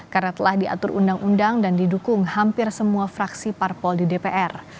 karena telah diatur undang undang dan didukung hampir semua fraksi parpol di dpr